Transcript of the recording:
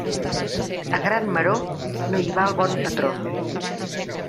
A gran maror no hi val bon patró.